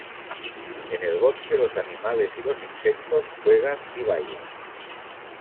En el bosque, los animales y los insectos juegan y bailan.